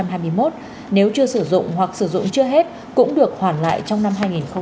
hành khách đã sử dụng hoặc sử dụng chưa hết cũng được hoàn lại trong năm hai nghìn hai mươi hai